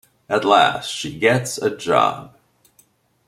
At last she gets a job.